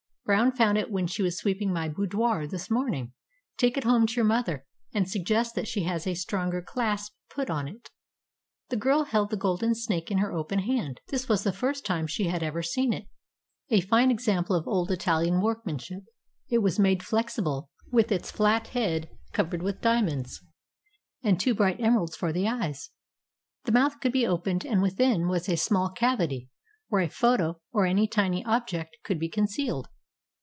Brown found it when she was sweeping my boudoir this morning. Take it home to your mother, and suggest that she has a stronger clasp put on it." The girl held the golden snake in her open hand. This was the first time she had ever seen it. A fine example of old Italian workmanship, it was made flexible, with its flat head covered with diamonds, and two bright emeralds for the eyes. The mouth could be opened, and within was a small cavity where a photo or any tiny object could be concealed.